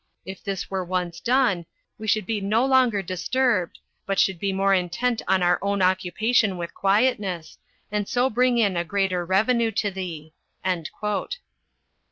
If this were once done, we should be no longer disturbed, but should be more intent on our own occupation with quietness, and so bring in a greater revenue to thee."